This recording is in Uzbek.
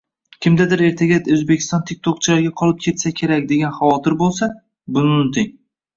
Kimdadir ertaga Oʻzbekiston tik-tokchilarga qolib ketsa kerak degan havotir boʻlsa, buni unuting.